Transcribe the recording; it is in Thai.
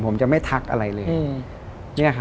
ผมจะไม่ทักอะไรเลย